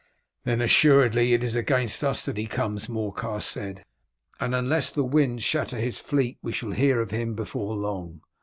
"Then assuredly it is against us that he comes," Morcar said, "and unless the winds shatter his fleet we shall hear of him before long.